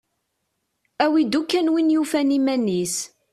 Awi-d ukkan win yufan iman-is.